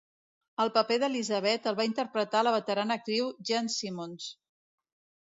El paper d'Elisabet el va interpretar la veterana actriu Jean Simmons.